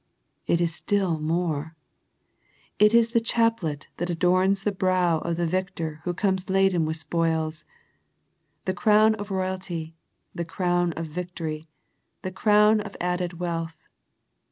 It is still more. It is the chaplet that adorns the brow of the victor who comes laden with spoils, the crown of royalty, the crown of victory, the crown of added wealth.